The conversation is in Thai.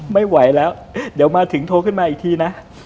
ไม่ไหวแล้วเดี๋ยวมาถึงโทรขึ้นมาอีกทีนะ